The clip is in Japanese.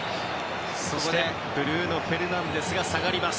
そしてブルーノ・フェルナンデスが下がります。